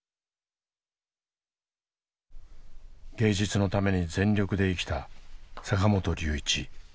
芸術のために全力で生きた坂本龍一。